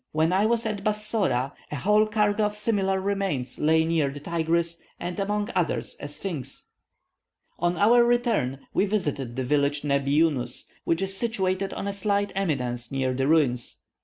When I was at Bassora, a whole cargo of similar remains lay near the Tigris, and among others a sphynx. On our return we visited the village Nebbi Yunus, which is situated on a slight eminence near the ruins.